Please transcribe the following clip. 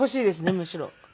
むしろ。